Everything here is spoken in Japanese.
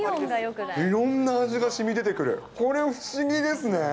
いろんな味がしみ出てくる、これ、不思議ですね。